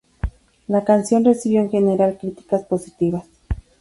La canción recibió, en general, críticas positivas.